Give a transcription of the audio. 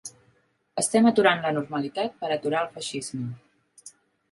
Estem aturant la normalitat per aturar el feixisme.